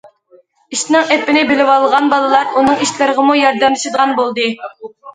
ئىشنىڭ ئېپىنى بىلىۋالغان بالىلار ئۇنىڭ ئىشلىرىغىمۇ ياردەملىشىدىغان بولدى.